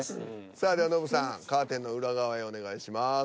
さあではノブさんカーテンの裏側へお願いします。